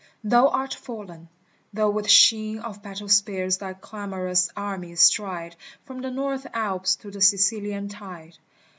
thou art fallen, though with sheen Of battle spears thy clamorous armies stride From the north Alps to the Sicilian tide